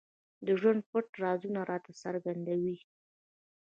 د ژوند پټ رازونه راته څرګندوي.